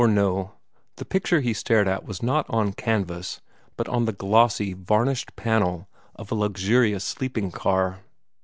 Or no, the picture he stared at was not on canvas, but on the glossy, varnished panel of a luxurious sleeping car.